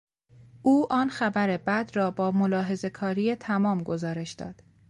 او آن خبر بد را با ملاحظه کاری تمام گزارش داد.